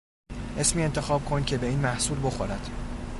اسمی انتخاب کن که به این محصول بخورد.